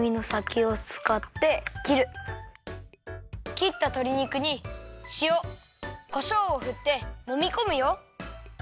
きったとり肉にしおこしょうをふってもみこむよ。